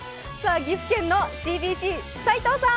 岐阜県のＣＢＣ、斉藤さん